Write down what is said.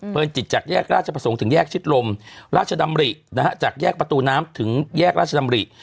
จิตจากแยกราชประสงค์ถึงแยกชิดลมราชดำรินะฮะจากแยกประตูน้ำถึงแยกราชดำริ